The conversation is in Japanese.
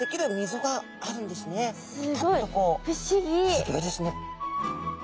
すギョいですね。